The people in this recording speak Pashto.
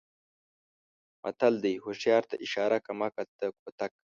متل دی: هوښیار ته اشاره کم عقل ته کوتک.